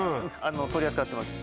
取り扱ってます